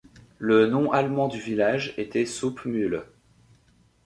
Le nom allemand du village était Suppmühle.